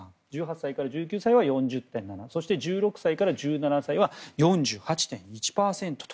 歳から１９歳は４０．７そして、１６歳から１７歳は４８．１％と。